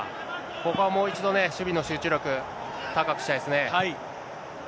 ここはもう一度ね、守備の集中力、高くしたいですね。